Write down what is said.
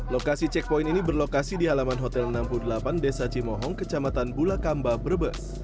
lokasi checkpoint ini berlokasi di halaman hotel enam puluh delapan desa cimohong kecamatan bulakamba brebes